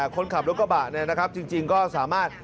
คนขับรถกระบะเนี่ยนะครับจริงก็สามารถ